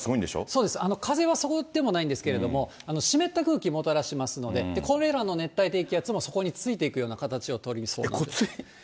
そうです、風はそうでもないんですけど、湿った空気もたらしますので、これらの熱帯低気圧も、そこについていくような形を取りそうです。